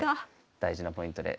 大事なポイントで。